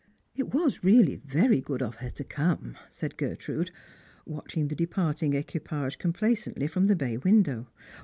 " It was really very good of her to come," said Gertrude, watching the departing equipage complacently from the bay window.